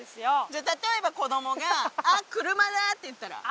じゃあ例えば子供が「あっ車だ」って言ったら？